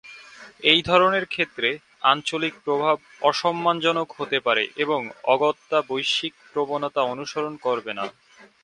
এই ধরনের ক্ষেত্রে, আঞ্চলিক প্রভাব অসম্মানজনক হতে পারে এবং অগত্যা বৈশ্বিক প্রবণতা অনুসরণ করবে না।